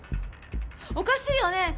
おかしいよね